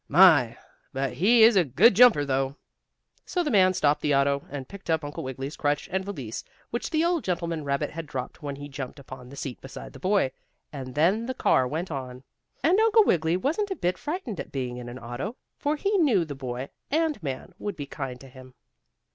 My, but he is a good jumper, though!" So the man stopped the auto, and picked up Uncle Wiggily's crutch and valise, which the old gentleman rabbit had dropped when he jumped upon the seat beside the boy, and then the car went on. And Uncle Wiggily wasn't a bit frightened at being in an auto, for he knew the boy and man would be kind to him.